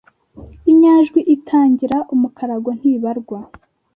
Inyajwi itangira umukarago ntibarwa